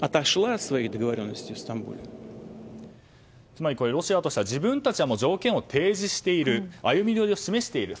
つまりロシアとしては自分たちは条件を提示している歩み寄りを示している。